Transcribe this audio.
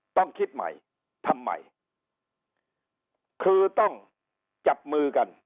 ต้องคิดใหม่ทำไมคือต้องจับมือกัน